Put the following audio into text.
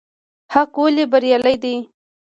حق ولې بريالی دی؟